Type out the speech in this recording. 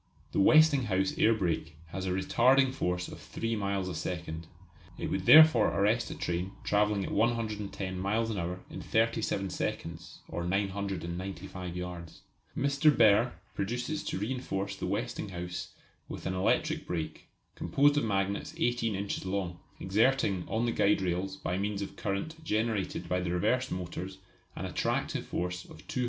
The Westinghouse air brake has a retarding force of three miles a second. It would therefore arrest a train travelling at 110 miles per hour in 37 seconds, or 995 yards. Mr. Behr proposes to reinforce the Westinghouse with an electric brake, composed of magnets 18 inches long, exerting on the guide rails by means of current generated by the reversed motors an attractive force of 200 lbs.